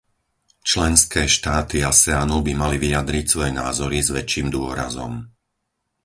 Členské štáty Aseanu by mali vyjadriť svoje názory s väčším dôrazom.